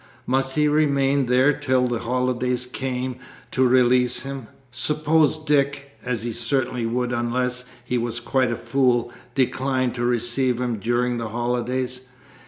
Must he remain there till the holidays came to release him? Suppose Dick as he certainly would unless he was quite a fool declined to receive him during the holidays?